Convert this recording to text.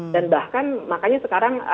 dan bahkan makanya sekarang